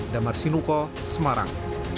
damar sinuko semarang